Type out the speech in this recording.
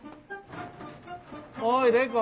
おい玲子。